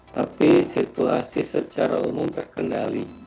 tapi situasi secara umum terkendali